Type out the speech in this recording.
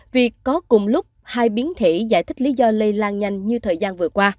việc có cùng lúc hai biến thể giải thích lý do lây lan nhanh như thời gian